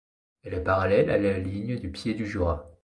Elle est parallèle à la ligne du Pied-du-Jura.